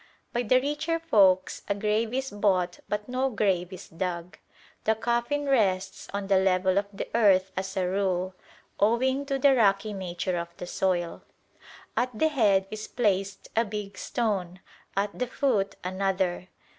By the richer folks a grave is bought but no grave is dug; the coffin rests on the level of the earth as a rule, owing to the rocky nature of the soil. At the head is placed a big stone, at the foot another.